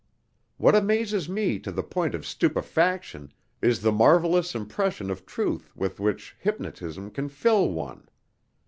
What amazes me to the point of stupefaction is the marvelous impression of truth with which hypnotism can fill one.